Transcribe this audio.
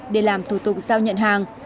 để làm thủ tục sau nhận hàng